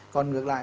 còn ngược lại